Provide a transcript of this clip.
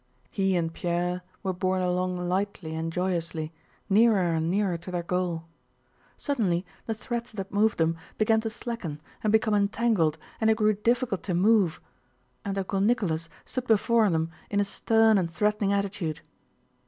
He and Pierre were borne along lightly and joyously, nearer and nearer to their goal. Suddenly the threads that moved them began to slacken and become entangled and it grew difficult to move. And Uncle Nicholas stood before them in a stern and threatening attitude.